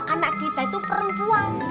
anak kita itu perempuan